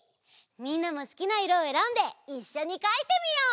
みんなもすきないろをえらんでいっしょにかいてみよう！